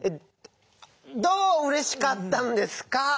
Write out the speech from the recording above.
どううれしかったんですか？